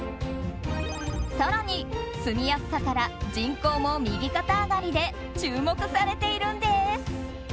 更に、住みやすさから人口も右肩上がりで注目されているんです。